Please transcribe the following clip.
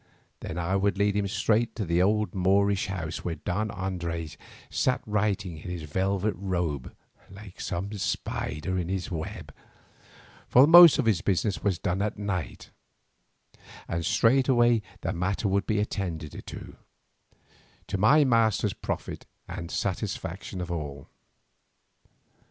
Then I would lead him straight to the old Moorish house where Don Andres sat writing in his velvet robe like some spider in his web, for the most of our business was done at night; and straight way the matter would be attended to, to my master's profit and the satisfaction of all.